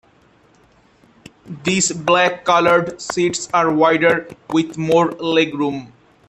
These black-colored seats are wider, with more legroom.